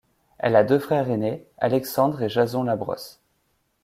Elle a deux frères aînés, Alexandre et Jason Labrosse.